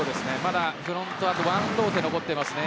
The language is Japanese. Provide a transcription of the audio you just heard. フロントは１ローテ、残っていますね。